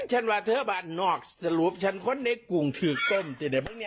ป่ะฉันว่าเธอบ่านนอกสรุปฉันคนในกุงถือก้นเว้ยรึเปล่านี้